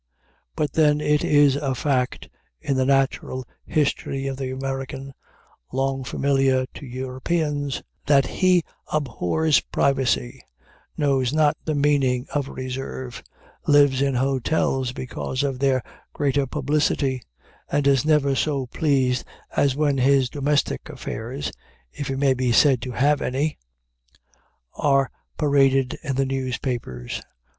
But then it is a fact in the natural history of the American long familiar to Europeans, that he abhors privacy, knows not the meaning of reserve, lives in hotels because of their greater publicity, and is never so pleased as when his domestic affairs (if he may be said to have any) are paraded in the newspapers.